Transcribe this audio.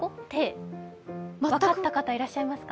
分かった方、いらっしゃいますか？